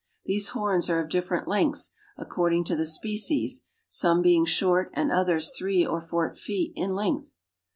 These horns are of different lengths, according to the species, some being short and others three or four feet in length.